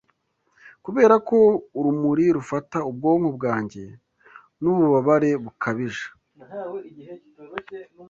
Kuberako urumuri rufata ubwonko bwanjye Nububabare bukabije